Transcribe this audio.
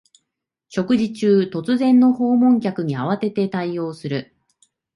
食事中、突然の訪問客に慌てて対応する